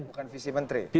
bukan visi menteri